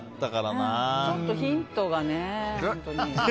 ちょっとヒントがね。